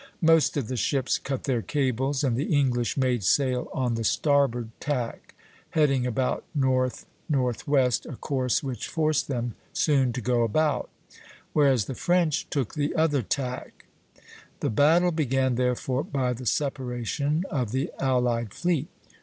Most of the ships cut their cables, and the English made sail on the starboard tack, heading about north northwest, a course which forced them soon to go about; whereas the French took the other tack (Plate III., B). The battle began therefore by the separation of the allied fleet.